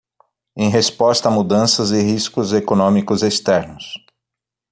Em resposta a mudanças e riscos econômicos externos